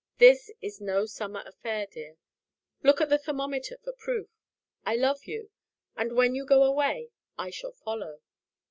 This is no summer affair, dear. Look to the thermometer for proof. I love you. And when you go away, I shall follow."